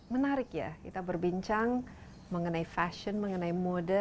menarik ya kita berbincang mengenai fashion mengenai mode